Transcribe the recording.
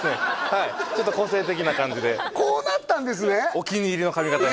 はいちょっと個性的な感じでこうなったんですね